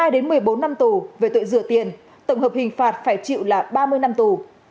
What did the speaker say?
hai đến một mươi bốn năm tù về tội rửa tiền tổng hợp hình phạt phải chịu là ba mươi năm tù